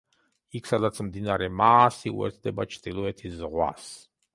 იქ სადაც მდინარე მაასი უერთდება ჩრდილოეთის ზღვას.